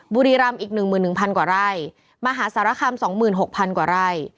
บุรีรัมณ์อีกหนึ่งหมื่นหนึ่งพันกว่าไร่มหาสารคำสองหมื่นหกพันกว่าไร่